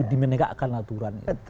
dimenegakkan aturan betul